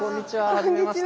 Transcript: はじめまして。